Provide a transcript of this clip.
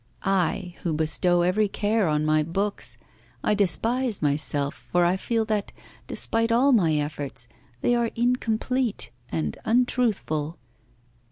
I, who bestow every care on my books I despise myself, for I feel that, despite all my efforts, they are incomplete and untruthful.